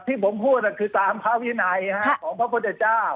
ที่ผมพูดคือตามพระวินัยของพระพุทธเจ้า